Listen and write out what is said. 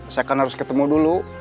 saya kan harus ketemu dulu